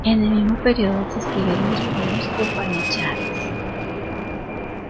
En el mismo período se escribieron los primeros Upanishads.